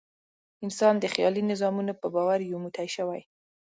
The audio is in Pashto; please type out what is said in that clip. انسان د خیالي نظامونو په باور یو موټی شوی.